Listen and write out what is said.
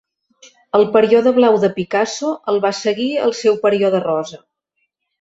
Al període blau de Picasso el va seguir el seu període rosa.